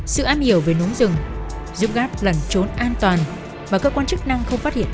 sự ám hiểu về núm rừng giúp gáp lần trốn an toàn mà các quan chức năng không phát hiện ra